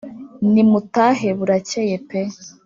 Ni mutahe burakeye pe;